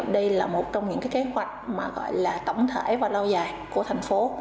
đây là một trong những kế hoạch tổng thể và lao dài của thành phố